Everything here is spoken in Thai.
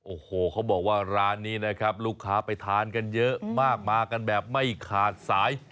โอ้โหเขาบอกว่าร้านนี้นะครับลูกค้าไปทานกันเยอะมากมากันแบบไม่ขาดสาย